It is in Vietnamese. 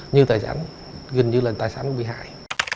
như tài sản gần như là tài sản của bị hại